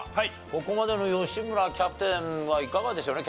ここまでの吉村キャプテンはいかがでしょうね？